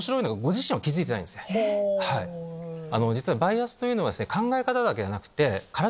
実はバイアスというのはですね考え方だけじゃなくて。